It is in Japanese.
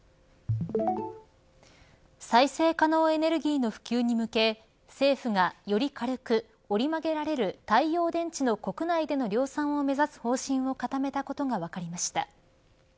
再生可能エネルギーの普及に向け政府が、より軽く折り曲げられる太陽電池の国内での量産を目指す方針を固めたことが分かりました。